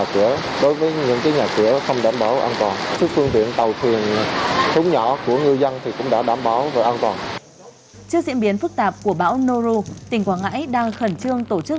trước diễn biến phức tạp của bão noru tỉnh quảng ngãi đang khẩn trương tổ chức